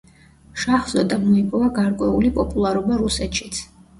შაჰზოდამ მოიპოვა გარკვეული პოპულარობა რუსეთშიც.